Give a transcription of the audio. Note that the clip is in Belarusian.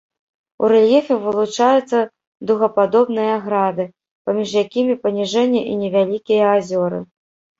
У рэльефе вылучаюцца дугападобныя грады, паміж якімі паніжэнні і невялікія азёры.